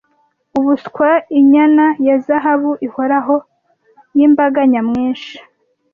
ubuswa inyana ya zahabu ihoraho y'imbaga nyamwinshi